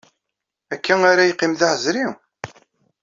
Akka ara yeqqim d aɛezri?